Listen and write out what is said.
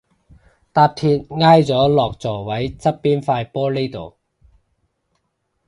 搭鐵挨咗落座位側邊塊玻璃度